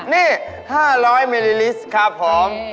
นี่๕๐๐มิลลิลิสต์ครับผม